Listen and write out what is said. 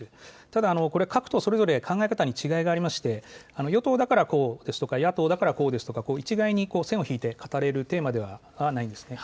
ただ、これ各党それぞれ考え方に違いがありまして、与党だからこうですとか野党だからこうですとか、一概に線を引いて語れるテーマではないんですね。